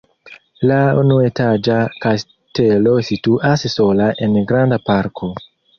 La unuetaĝa kastelo situas sola en granda parko.